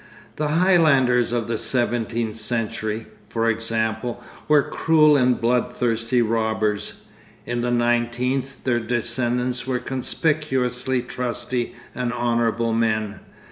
The Highlanders of the seventeenth century, for example, were cruel and bloodthirsty robbers, in the nineteenth their descendants were conspicuously trusty and honourable men.